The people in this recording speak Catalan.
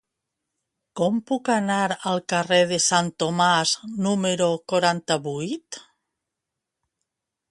Com puc anar al carrer de Sant Tomàs número quaranta-vuit?